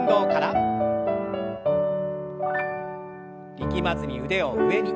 力まずに腕を上に。